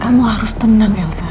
kamu harus tenang elsa